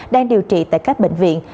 đang điều trị tại các bệnh viện